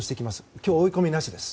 今日は追い込みなしです。